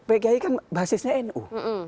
pak kiai kan basisnya nu